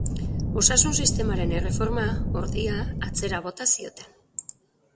Osasun-sistemaren erreforma, ordea, atzera bota zioten.